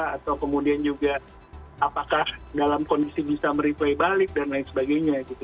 atau kemudian juga apakah dalam kondisi bisa mereplay balik dan lain sebagainya gitu